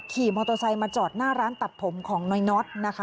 ขี่มอสโตซัลมาจอดหน้าร้านตัดผมของน้อยน้ำนะคะ